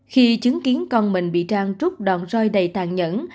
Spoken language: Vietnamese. khi chứng kiến con mình bị trang trúc đòn rơi đầy tàn nhẫn